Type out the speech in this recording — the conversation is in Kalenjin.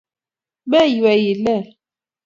Menywei ilel